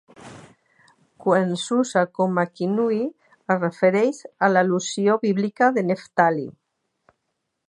Quan s'usa com a kinnui, es refereix a l'al·lusió bíblica a Neftalí.